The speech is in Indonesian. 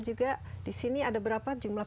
juga di sini ada berapa jumlah